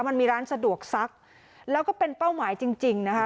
มันมีร้านสะดวกซักแล้วก็เป็นเป้าหมายจริงจริงนะคะ